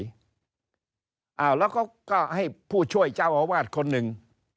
แล้วก็ให้ช่วยเจ้าอาวาทคนหนึ่ง